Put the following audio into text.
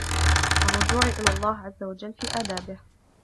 وَالرُّجُوعِ إلَى اللَّهِ عَزَّ وَجَلَّ فِي آدَابِهِ